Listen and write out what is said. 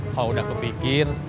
kalau udah kepikir